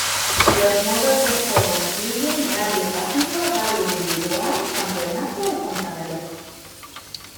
Los modos de juego incluyen rally rápido, rally individual, campeonato y contrarreloj.